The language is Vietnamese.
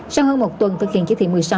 sau hơn một tuần thực hiện chỉ thị một mươi sáu